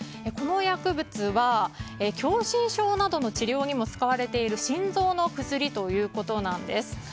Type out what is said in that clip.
この薬物は狭心症などの治療などにも使われている心臓の薬ということなんです。